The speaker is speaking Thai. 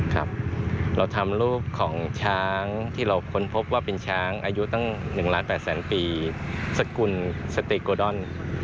ครับเราทำรูปของช้างที่เราค้นพบว่าเป็นช้างอายุตั้ง๑ล้าน๘แสนปีสกุลสเตโกดอน